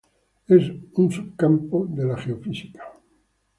Es un subcampo de la geofísica.